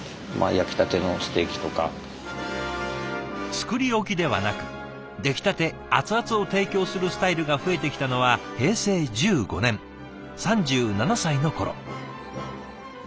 作り置きではなく出来たて熱々を提供するスタイルが増えてきたのは平成１５年３７歳の頃。